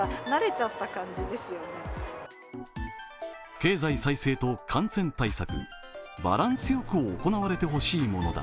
経済再生と感染対策、バランスよく行われてほしいものだ。